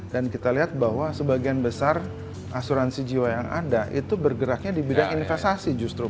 dan kita lihat bahwa sebagian besar asuransi jiwa yang ada itu bergeraknya di bidang investasi justru pak